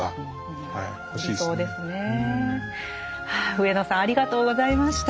上野さんありがとうございました。